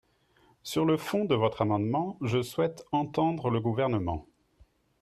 Sur le fond de votre amendement, je souhaite entendre le Gouvernement.